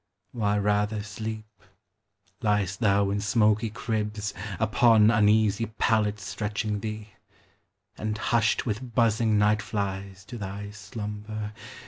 Why rather, sleep, liest thou in smoky cribs, Upon uneasy pallets stretching thee, And hushed with buzzing night flies to thy slumber.